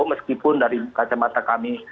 meskipun dari kacamata kami